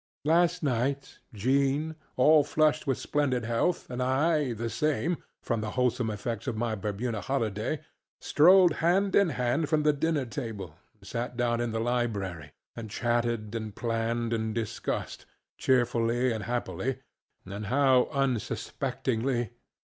Last night Jean, all flushed with splendid health, and I the same, from the wholesome effects of my Bermuda holiday, strolled hand in hand from the dinner table and sat down in the library and chatted, and planned, and discussed, cheerily and happily (and how unsuspectingly!)